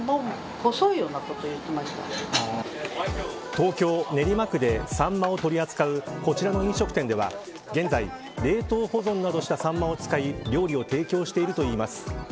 東京・練馬区でサンマを取り扱うこちらの飲食店では現在、冷凍保存などをしたサンマを使い料理を提供しているといいます。